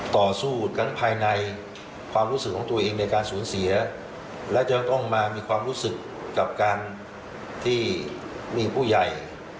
ต่อสู้ทั้งภายในความรู้สึกของตัวเองในการสูญเสียและจะต้องมามีความรู้สึกกับการที่มีผู้ใหญ่